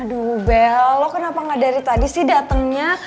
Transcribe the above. aduh bel lo kenapa gak dari tadi sih datengnya